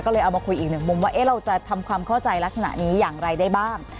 ก็เลยเอามาคุยอีกหนึ่งมุมว่าเราจะทำความเข้าใจลักษณะนี้อย่างไรได้บ้าง